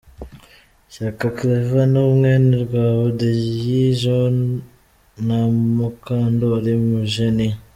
Shyaka Claver ni mwene Rwabudeyi John na Mukandori Bujeniya.